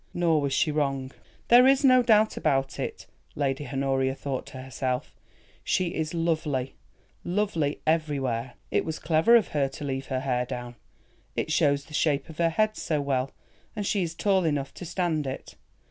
Nor was she wrong. "There is no doubt about it," Lady Honoria thought to herself, "she is lovely—lovely everywhere. It was clever of her to leave her hair down; it shows the shape of her head so well, and she is tall enough to stand it.